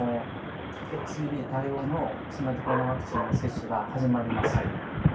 ＸＢＢ対応の新型コロナワクチンの接種が始まります。